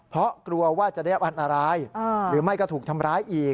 เพราะกลัวว่าจะได้อันตรายหรือไม่ก็ถูกทำร้ายอีก